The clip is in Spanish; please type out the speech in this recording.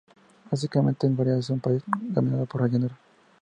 Básicamente, Hungría es un país dominado por llanuras.